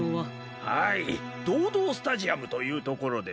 はいドードースタジアムというところです。